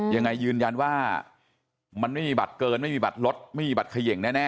ยืนยันว่ามันไม่มีบัตรเกินไม่มีบัตรรถไม่มีบัตรเขย่งแน่